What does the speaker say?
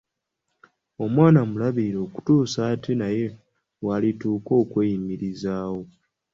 Omwana mulabirire okutuusa ate naye lw’alituuka okweyimirizaawo.